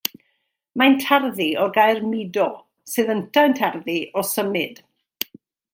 Mae'n tarddu o'r gair mudo sydd yntau'n tarddu o symud.